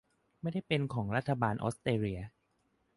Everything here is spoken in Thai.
ไม่ได้เป็นของรัฐบาลออสเตรเลีย